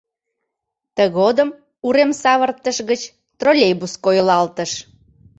Тыгодым урем савыртыш гыч троллейбус койылалтыш.